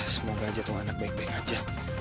semoga jatuh anak baik baik aja